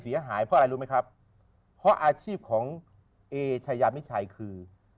เสียหายเพราะอะไรรู้ไหมครับเพราะอาชีพของเอชายามิชัยคือ